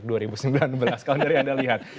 kalau dari anda lihat